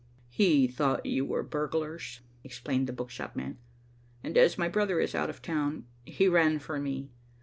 "He thought you were burglars," explained the book shop man, "and as my brother is out of town, he ran for me.